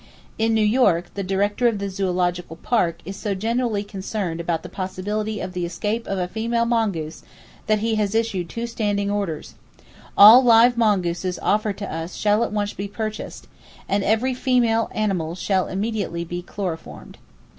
In New York, the director of the Zoological Park is so genuinely concerned about the possibility of the escape of a female mongoose that he has issued two standing orders: All live mongooses offered to us shall at once be purchased, and every female animal shall immediately be chloroformed.